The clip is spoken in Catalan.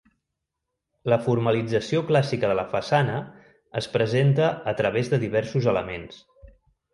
La formalització clàssica de la façana es presenta a través de diversos elements.